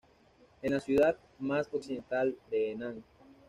Es la ciudad más occidental de Henan.